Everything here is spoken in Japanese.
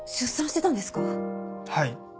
はい。